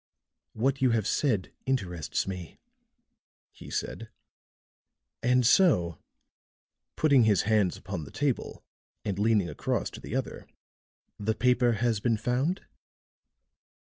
"What you have said interests me," he said. "And so," putting his hands upon the table, and leaning across to the other, "the paper has been found?"